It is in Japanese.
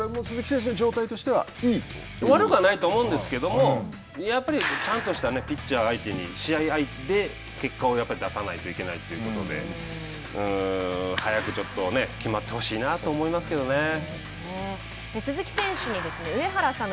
鈴木選手の状態としては悪くはないと思うんですけどやっぱりちゃんとしたピッチャー相手に試合で結果を出さないといけないということで早くちょっと決まってほしいなと思いますけどね。